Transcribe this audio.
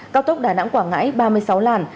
cao tốc đà nẵng quảng ngãi ba mươi sáu làn